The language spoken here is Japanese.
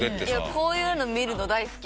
こういうの見るの大好き。